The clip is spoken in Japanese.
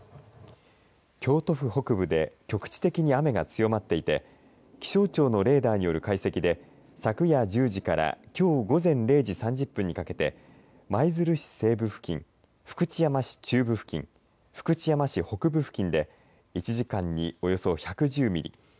京都府北部で局地的に雨が強まっていて気象庁のレーダーによる解析で昨夜１０時からきょう午前０時３０分にかけて舞鶴市西部付近、福知山中部付近福知山市北部付近で１時間におよそ１１０ミリ